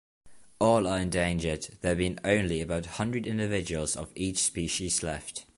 All are endangered, there being only about hundred individuals of each species left.